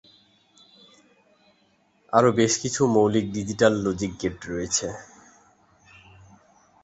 আরো বেশ কিছু মৌলিক ডিজিটাল লজিক গেট রয়েছে।